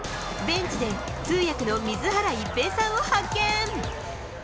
ベンチで通訳の水原一平さんを発見。